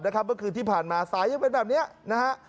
เมื่อคืนที่ผ่านมาสายยังเป็นแบบนี้นะฮะ